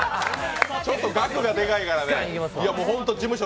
ちょっと額が、でかいからね事務所